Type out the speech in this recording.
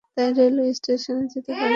তাই রেলওয়ে স্টেশনে যেতে পারিনি।